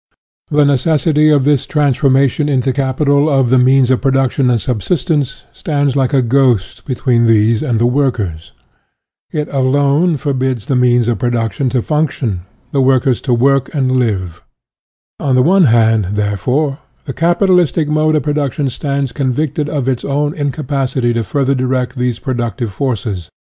The necessity of this transformation into capital of the means of production and subsistence stands like a ghost between these and the workers. It alone prevents the coming together of the material and personal levers of production; it alone forbids the means of production to function, the workers to work and live. On the one hand, therefore, the capitalistic mode of production stands convicted of its own incapacity to further direct these pro ductive forces.